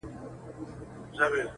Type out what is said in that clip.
چي یې ته اوربل کي کښېږدې بیا تازه سي,